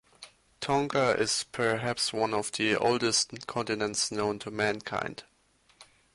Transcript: Tonga is perhaps one of the oldest continents known to mankind.